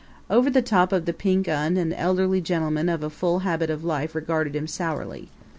Over the top of the Pink Un an elderly gentleman of a full habit of life regarded him sourly.